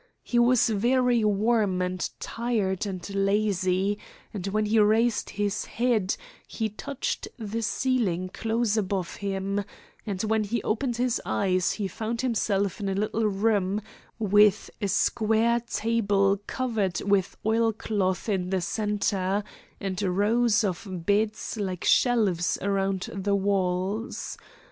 He was very warm and tired and lazy, and when he raised his head he touched the ceiling close above him, and when he opened his eyes he found himself in a little room with a square table covered with oil cloth in the centre, and rows of beds like shelves around the walls.